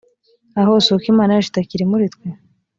aho si uko imana yacu itakiri muri twe?